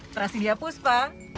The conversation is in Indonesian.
terhasil dihapus pak